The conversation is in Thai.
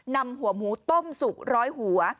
นำหัวหมูต้มสุกร้อยหัว